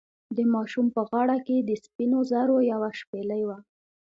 د ماشوم په غاړه کې د سپینو زرو یوه شپیلۍ وه.